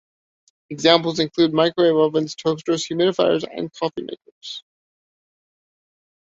Examples include microwave ovens, toasters, humidifiers, and coffee makers.